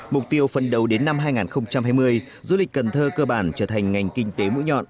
mục tiêu phần đầu đến năm hai nghìn hai mươi du lịch cần thơ cơ bản trở thành ngành kinh tế mũi nhọn